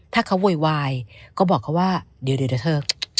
ถ้าเขาโวยวายก็บอกเขาว่าเดี๋ยวเถอะ